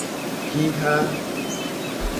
Xixa.